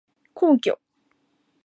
皇居